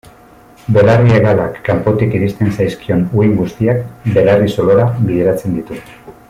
Belarri-hegalak kanpotik iristen zaizkion uhin guztiak belarri-zulora bideratzen ditu.